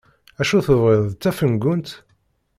Acu tebɣiḍ d tafeggunt?